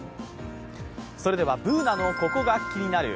それではＢｏｏｎａの「ココがキニナル」。